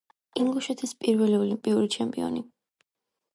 ინგუშეთის პირველი ოლიმპიური ჩემპიონი.